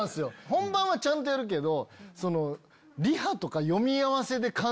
本番はちゃんとやるけど。